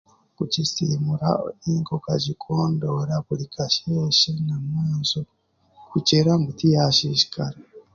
kugisiimuura okihika okagikondoora buri kasheeshe kugira ngu tiyaashiishikara.